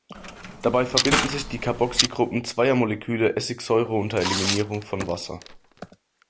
Dabei verbinden sich die Carboxygruppen zweier Moleküle Essigsäure unter Eliminierung von Wasser.